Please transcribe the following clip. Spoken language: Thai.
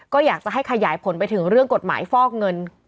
ก็อยากจะให้ขยายผลไปถึงเรื่องกฎหมายฟอกเงิน